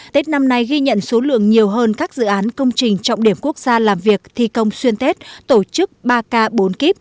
tết năm nay ghi nhận số lượng nhiều hơn các dự án công trình trọng điểm quốc gia làm việc thi công xuyên tết tổ chức ba k bốn k